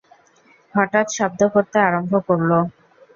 হঠাৎ শব্দ করতে আরম্ভ করলো।